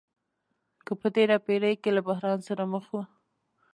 په تېره پېړۍ کې له بحران سره مخ وو.